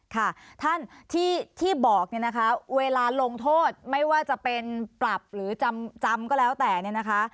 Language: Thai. ค่ะท่านที่บอกเนี่ยนะคะเวลาลงโทษไม่ว่าจะเป็นปรับหรือจำก็แล้วแต่เนี่ยนะคะ